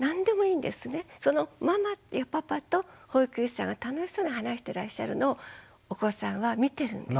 そのママやパパと保育士さんが楽しそうに話してらっしゃるのをお子さんは見てるんです。